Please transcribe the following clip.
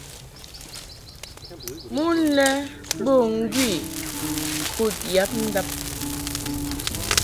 Mon lɛ bo ŋgwi kud yab ndab.